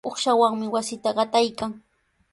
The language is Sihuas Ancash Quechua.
Uqshawanmi wasinta qataykan.